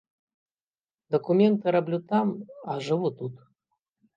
Дакументы раблю там, а жыву тут.